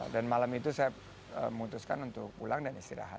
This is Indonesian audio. dan malam itu saya memutuskan untuk pulang dan istirahat